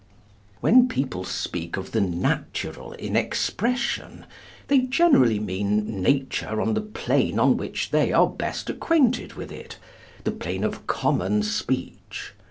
When people speak of the natural in expression, they generally mean nature on the plane on which they are best acquainted with it the plane of common speech.